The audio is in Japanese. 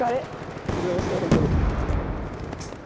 ありがとうございましたホントに。